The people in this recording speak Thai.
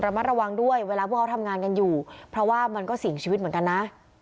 มัดระวังด้วยเวลาพวกเขาทำงานกันอยู่เพราะว่ามันก็เสี่ยงชีวิตเหมือนกันนะ